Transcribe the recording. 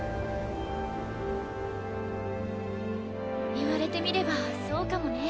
言われてみればそうかもね。